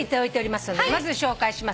まず紹介します。